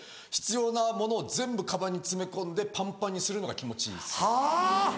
必要なものを全部カバンに詰め込んでパンパンにするのが気持ちいいですね。